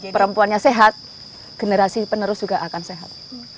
perempuannya sehat generasi penerus juga akan sehat